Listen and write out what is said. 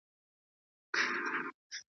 خو ددې شعر په هکله مهمه یادونه دا ده .